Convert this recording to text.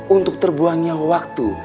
untuk terbuangnya waktu